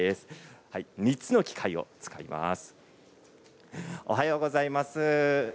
３つの機械を使います。